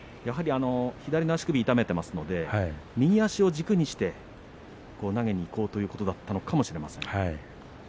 左の足首を痛めていますので右足を軸にして投げにいこうということなのかもしれません。